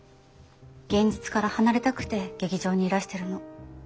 現実から離れたくて劇場にいらしてるの。